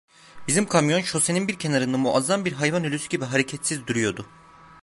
Bizim kamyon şosenin bir kenarında muazzam bir hayvan ölüsü gibi hareketsiz duruyordu.